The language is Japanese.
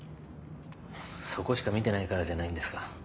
そこしか見てないからじゃないんですか？